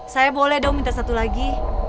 saya boleh dong minta satu lagi